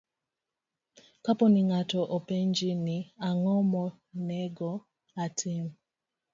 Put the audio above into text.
Kapo ni ng'ato openji ni, "Ang'o monego atim?"